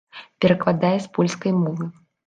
Перакладае з польскай мовы.